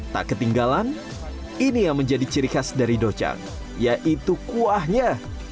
tak ketinggalan ini yang menjadi ciri khas dari docan yaitu kuahnya